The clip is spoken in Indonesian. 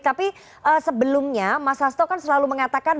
tapi sebelumnya mas hasto kan selalu mengatakan